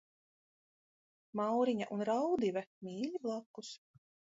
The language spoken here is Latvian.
Mauriņa un Raudive – mīļi blakus.